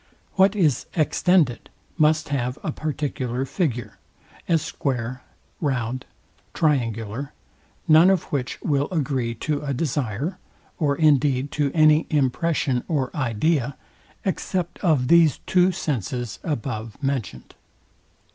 What is extended must have a particular figure, as square, round, triangular; none of which will agree to a desire, or indeed to any impression or idea, except to these two senses above mentioned.